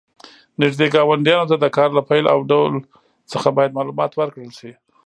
نږدې ګاونډیانو ته د کار له پیل او ډول څخه باید معلومات ورکړل شي.